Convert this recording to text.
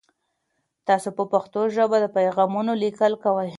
تاسو په پښتو ژبه د پیغامونو لیکل کوئ؟